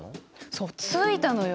そうついたのよ。